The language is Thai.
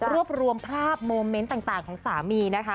รวบรวมภาพโมเมนต์ต่างของสามีนะคะ